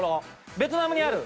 ベトナムにある。